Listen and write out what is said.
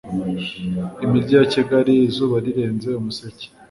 imijyi ya kigali , izuba rirenze, umuseke